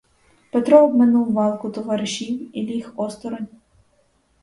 Петро обминув валку товаришів і ліг осторонь.